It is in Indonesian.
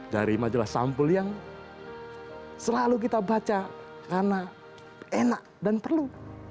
dari majalah sampul yang selalu kita baca karena enak dan perlu